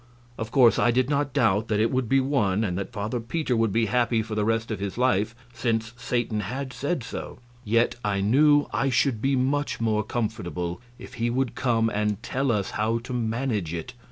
Of course I did not doubt that it would be won, and that Father Peter would be happy for the rest of his life, since Satan had said so; yet I knew I should be much more comfortable if he would come and tell us how to manage it.